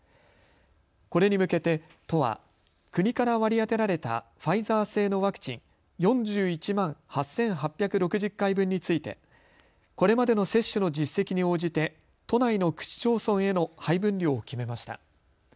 これに向けて都は国から割り当てられたファイザー製のワクチン４１万８８６０回分についてこれまでの接種の実績に応じて都内の区市町村への配分量を決めました。